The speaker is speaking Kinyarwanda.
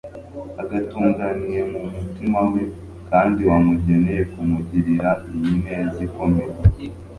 agutunganiye mu mutima we, kandi wamugeneye kumugirira iyi neza ikomeye